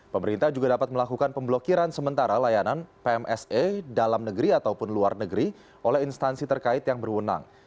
pemerintah juga dapat melakukan pemblokiran sementara layanan pmse dalam negeri ataupun luar negeri oleh instansi terkait yang berwenang